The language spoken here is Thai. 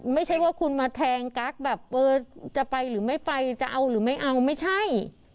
ไม่ใช่ว่าคุณมาแทงกั๊กแบบเบอร์จะไปหรือไม่ไปจะเอาหรือไม่เอาไม่ใช่